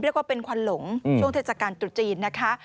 เรียกว่าเป็นควันหลงช่วงเทศกาลตรุษจีนนะคะ